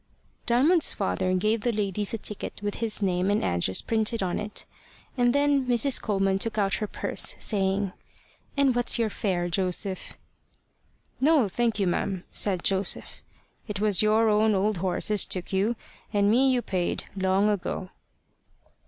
Diamond's father gave the ladies a ticket with his name and address printed on it; and then Mrs. Coleman took out her purse, saying: "And what's your fare, Joseph?" "No, thank you, ma'am," said Joseph. "It was your own old horse as took you; and me you paid long ago."